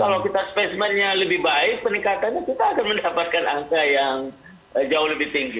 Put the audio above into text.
jadi kalau kita spesmennya lebih baik peningkatannya kita akan mendapatkan angka yang jauh lebih tinggi